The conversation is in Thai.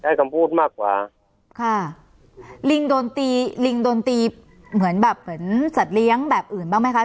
คำพูดมากกว่าค่ะลิงโดนตีลิงโดนตีเหมือนแบบเหมือนสัตว์เลี้ยงแบบอื่นบ้างไหมคะ